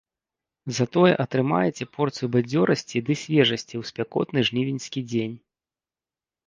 Затое атрымаеце порцыю бадзёрасці ды свежасці ў спякотны жнівеньскі дзень.